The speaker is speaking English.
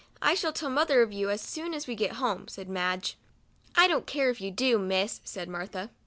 I shall tell mother of you as soon as we get home," said Madge. " I don't care if you do, Miss," said Martha.